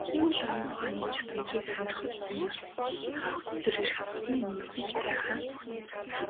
Хиймэл оюун ухааны чадамжийг сонирхох сонирхол өдөр ирэх тусам нэмэгдэж байгаа.